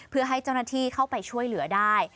เพื่อให้เจ้าหน้าที่เข้าไปช่วยเหลือได้